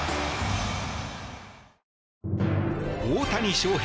大谷翔平